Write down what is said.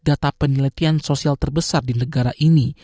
data penelitian sosial terbesar di negara ini